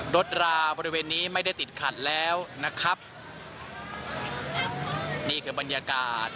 รถราบริเวณนี้ไม่ได้ติดขัดแล้วนะครับนี่คือบรรยากาศ